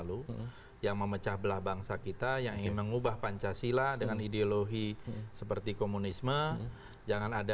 juga kesayangan dari jendral sudirman